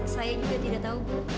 saya juga tidak tahu bu